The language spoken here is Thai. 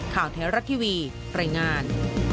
ข่าวแท้รัฐทีวีรายงาน